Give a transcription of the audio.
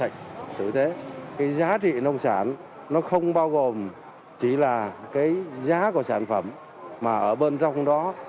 thực tế cái giá trị nông sản nó không bao gồm chỉ là cái giá của sản phẩm mà ở bên trong đó